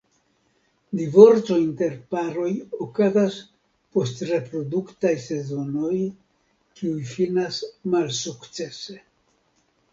Divorco inter paroj okazas post reproduktaj sezonoj kiuj finas malsukcese.